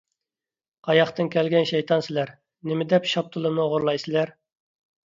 قاياقتىن كەلگەن شەيتان سىلەر! نېمىدەپ شاپتۇلۇمنى ئوغرىلايسىلەر!